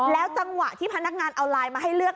จังหวะที่พนักงานเอาไลน์มาให้เลือก